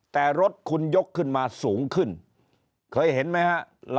แต่รถคุณยกขึ้นมาสูงขึ้นเคยเห็นไหมฮะ